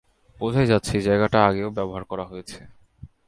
বোঝাই যাচ্ছে, এই জায়গাটা আগেও ব্যবহার করা হয়েছে।